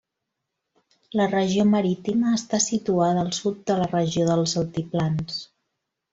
La regió Marítima està situada al sud de la regió dels Altiplans.